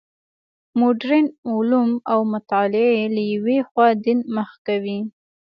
مډرن علوم او مطالعې له یوې خوا دین مخ کوي.